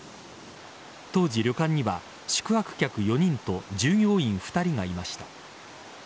当時、旅館には宿泊客４人と従業員２人がいました。